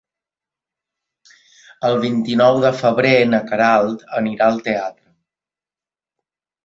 El vint-i-nou de febrer na Queralt anirà al teatre.